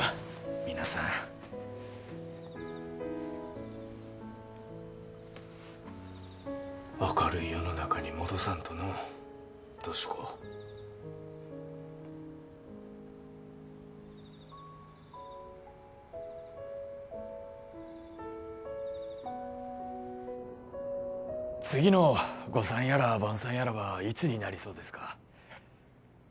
皆さん明るい世の中に戻さんとのう俊子次の午餐やら晩餐やらはいつになりそうですか？